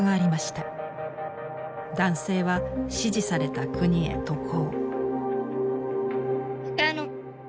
男性は指示された国へ渡航。